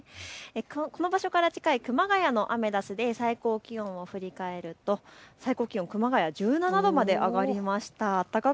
この場所から近い熊谷のアメダスで最高気温を振り返ると熊谷１７度まで上がりました。